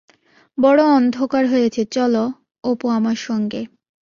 বড় অন্ধকার হয়েছে, চল অপু আমার সঙ্গে।